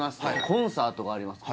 コンサートがあります